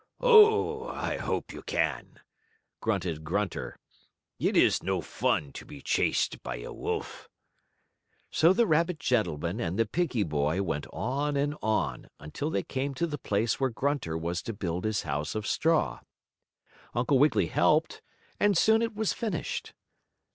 "Oh, I hope you can!" grunted Grunter. "It is no fun to be chased by a wolf." So the rabbit gentleman and the piggie boy went on and on, until they came to the place where Grunter was to build his house of straw. Uncle Wiggily helped, and soon it was finished.